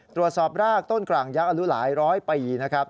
ตรวจสอบรากต้นกลางยักษ์อายุหลายร้อยปีนะครับ